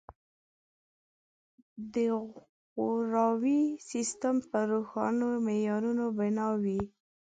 د غوراوي سیستم په روښانو معیارونو بنا وي.